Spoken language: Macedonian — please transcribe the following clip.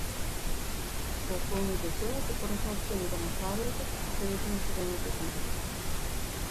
По околните села ќе пораснат цените на квадратот и цените на сирењето и компирот.